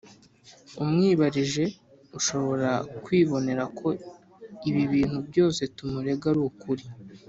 umwibarije ushobora kwibonera ko ibi bintu byose tumurega ari ukuri